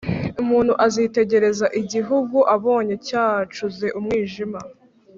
Umuntu azitegereza igihugu abone cyacuze umwijima